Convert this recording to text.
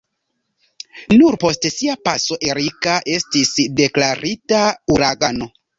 Nur post sia paso Erika estis deklarita uragano.